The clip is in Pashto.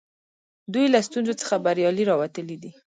دوی له ستونزو څخه بریالي راوتلي دي.